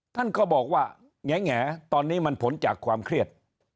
ท่านก็บอกว่าแง่ตอนนี้มันผลจากความเครียด